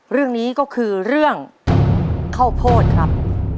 เรื่องนี้ก็คือเรื่องข้าวโพดครับ